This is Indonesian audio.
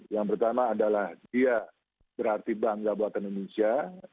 yang pertama adalah dia berarti bank jabatan indonesia